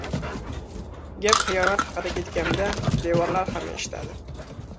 • Gap xiyonat haqida ketganda devorlar ham eshitadi.